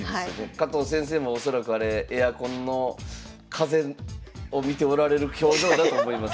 加藤先生も恐らくあれエアコンの風を見ておられる表情だと思います。